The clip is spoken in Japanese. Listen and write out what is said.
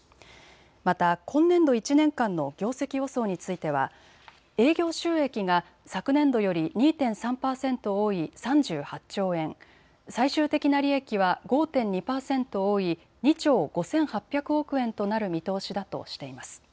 また今年度１年間の業績予想については営業収益が昨年度より２．３％多い３８兆円、最終的な利益は５．２％多い２兆５８００億円となる見通しだとしています。